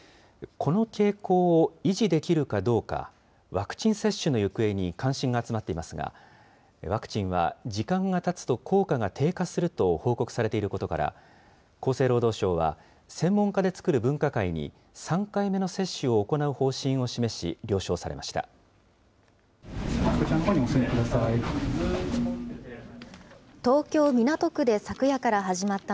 この傾向を維持できるかどうか、ワクチン接種の行方に関心が集まっていますが、ワクチンは時間がたつと効果が低下すると報告されていることから、厚生労働省は専門家で作る分科会に、３回目の接種を行う方針を示し、了承されました。